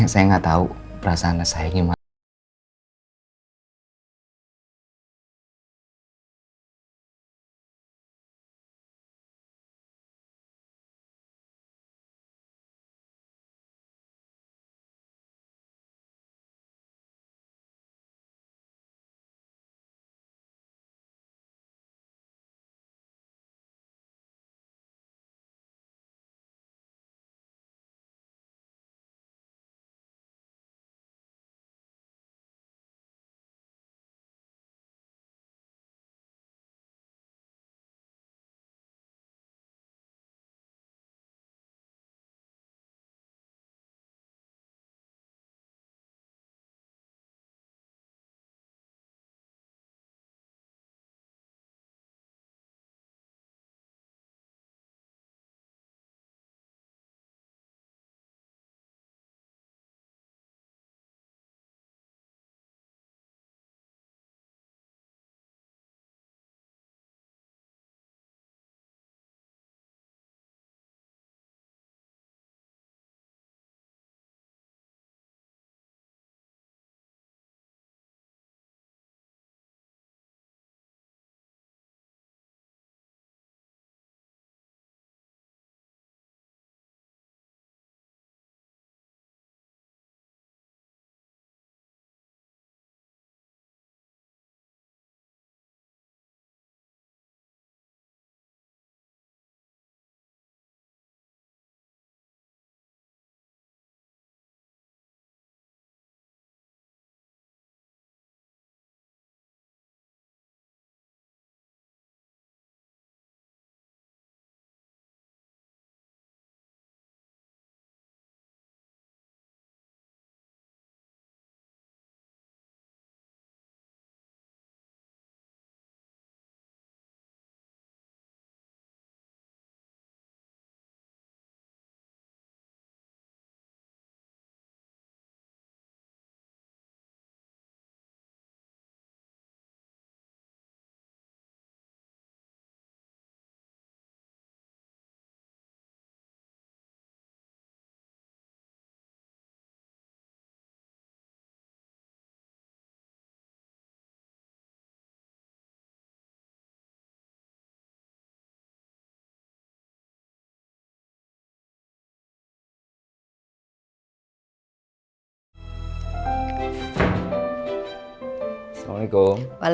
saya gak tahu perasaan saya gimana